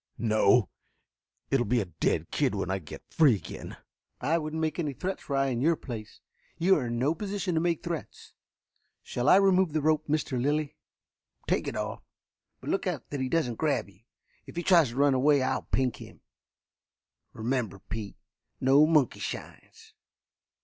"No, it'll be a dead kid when I get free again." "I wouldn't make any threats were I in your place. You are in no position to make threats. Shall I remove the rope, Mr. Lilly?" "Take it off, but look out that he doesn't grab you. If he tries to run away I'll pink him. Remember, Pete, no monkey shines."